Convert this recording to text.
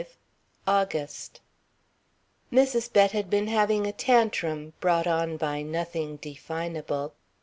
V AUGUST Mrs. Bett had been having a "tantrim," brought on by nothing definable.